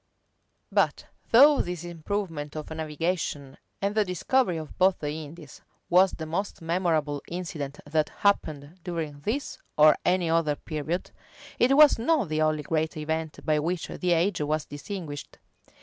But though this improvement of navigation, and the discovery of both the Indies, was the most memorable incident that happened during this or any other period, it was not the only great event by which the age was distinguished.